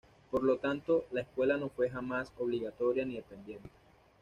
Por lo tanto la escuela no fue jamás obligatoria ni dependiente.